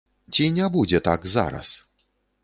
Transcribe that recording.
Ці не будзе так зараз?